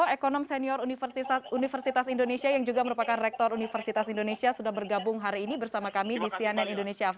ekonom senior universitas indonesia yang juga merupakan rektor universitas indonesia sudah bergabung hari ini bersama kami di cnn indonesia